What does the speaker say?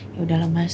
yaudah lah mas